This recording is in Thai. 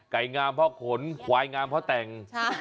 ไก่งามเพราะขนขวายงามเพราะแต่ง